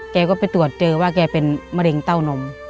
แกก็ไปตรวจเจอว่าแกเป็นมะเร็งเต้านม